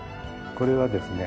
これはですね